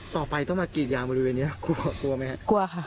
ต่อไปต้องมากรีดยางบริเวณนี้กลัวไหมครับกลัวค่ะ